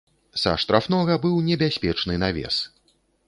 Са штрафнога быў небяспечны навес.